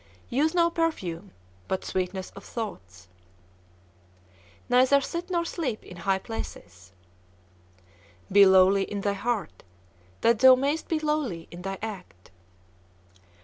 Use no perfume but sweetness of thoughts. Neither sit nor sleep in high places. Be lowly in thy heart, that thou mayst be lowly in thy act.